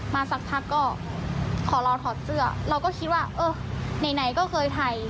สักพักก็ขอรอถอดเสื้อเราก็คิดว่าเออไหนก็เคยถ่าย